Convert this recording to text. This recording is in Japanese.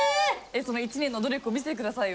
その１年の努力を見せて下さいよ。